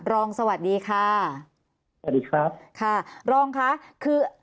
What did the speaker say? รองสวัสดีค่ะค่ะรองค่ะคือ